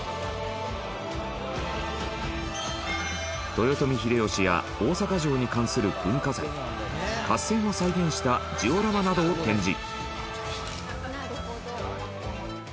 豊臣秀吉や大阪城に関する文化財合戦を再現したジオラマなどを展示。